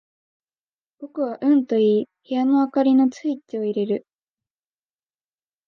僕はうんと言い、部屋の灯りのスイッチを入れる。